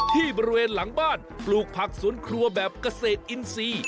ที่บริเวณหลังบ้านปลูกผักสวนครัวแบบเกษตรอินทรีย์